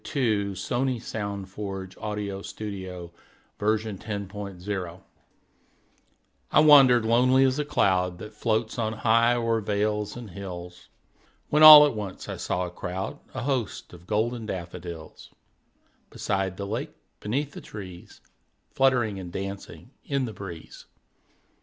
William Wordsworth I Wandered Lonely As a Cloud I WANDERED lonely as a cloud That floats on high o'er vales and hills, When all at once I saw a crowd, A host, of golden daffodils; Beside the lake, beneath the trees, Fluttering and dancing in the breeze.